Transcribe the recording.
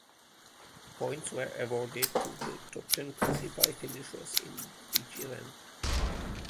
Points were awarded to the top ten classified finishers in each event.